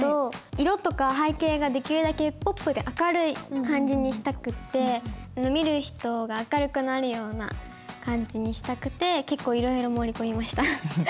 色とか背景ができるだけポップで明るい感じにしたくって見る人が明るくなるような感じにしたくて結構いろいろ盛り込みました。